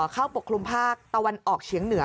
ปกคลุมภาคตะวันออกเฉียงเหนือ